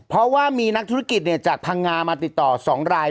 เพราะว่ามีนักธุรกิจจากพังงามาติดต่อ๒ราย